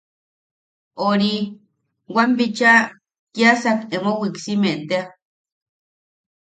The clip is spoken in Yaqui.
Ori... wam bicha kiasak emo wiksiime tea.